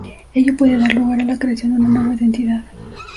Ello puede dar lugar a la creación de una nueva identidad.